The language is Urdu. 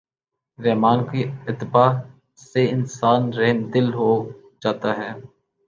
رحمٰن کی اتباع سے انسان رحمدل ہو جاتا ہے۔